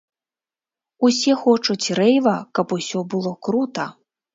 Усе хочуць рэйва, каб усё было крута.